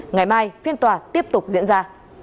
ngày mai phiên tòa tiếp tục diễn ra